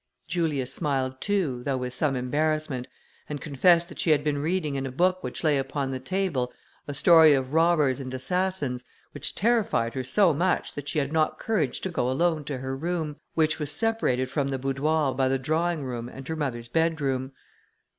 Julia smiled too, though with some embarrassment, and confessed that she had been reading in a book which lay upon the table, a story of robbers and assassins, which terrified her so much that she had not courage to go alone to her room, which was separated from the boudoir by the drawing room and her mother's bedroom.